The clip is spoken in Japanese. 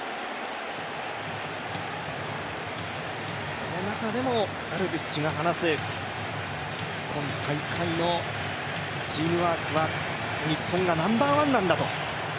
その中でも、ダルビッシュが話す今大会のチームワークは日本がナンバーワンなんだと。